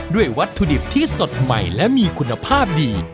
วัตถุดิบที่สดใหม่และมีคุณภาพดี